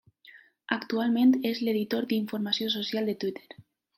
Actualment és l'editor d'informació social de Twitter.